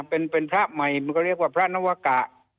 เป็นพระใหม่มันก็เรียกว่าพระนวกะ